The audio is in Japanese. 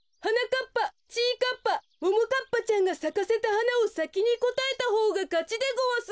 かっぱももかっぱちゃんがさかせたはなをさきにこたえたほうがかちでごわす。